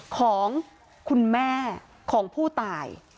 ของคุณแม่ของผู้ตาย